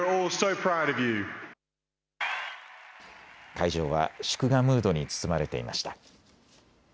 会場は祝賀ムードに包まれていました。